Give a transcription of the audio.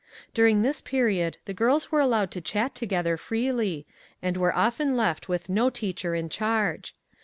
During this period the girls were allowed to chat together freely, and were often left with no teacher in charge.